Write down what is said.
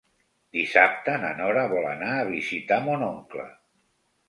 Dissabte na Nora vol anar a visitar mon oncle.